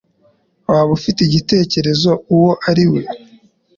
Waba ufite igitekerezo uwo ari we?